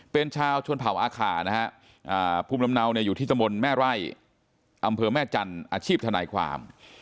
เป็นชาวชนเผ่าอาคานะฮะภูมิลำเนาอยู่ที่ตะมนต์แม่ไร่อำเภอแม่จันทร์อาชีพทนายความ